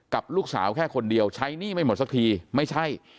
กับลูกสาวแค่คนเดียวใช้หนี้ไม่หมดสักทีไม่ใช่